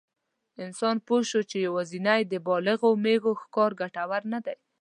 انسان پوه شو چې یواځې د بالغو مېږو ښکار ګټور نه دی.